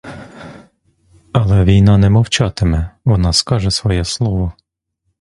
Але війна не мовчатиме, вона скаже своє слово.